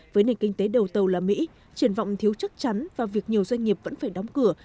với nền kinh tế đầu tàu là mỹ triển vọng thiếu chắc chắn và việc nhiều doanh nghiệp vẫn phải đóng cửa